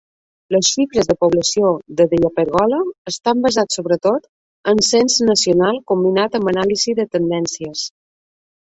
Les xifres de població de DellaPergola estan basats sobretot en cens nacional combinat amb anàlisi de tendències.